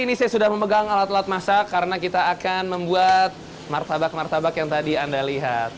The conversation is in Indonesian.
ini saya sudah memegang alat alat masak karena kita akan membuat martabak martabak yang tadi anda lihat